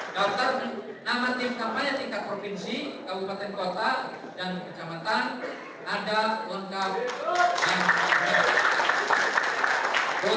dautan nama tim kapan yang tingkat provinsi kabupaten kota dan kejamatan ada lengkap dan menentukan